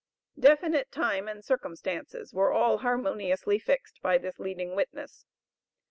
Definite time and circumstances were all harmoniously fixed by this leading witness.